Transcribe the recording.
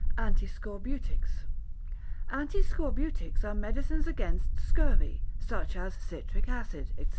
Antiscorbutics Antiscorbutics are medicines against scurvy, such as citric acid, &c.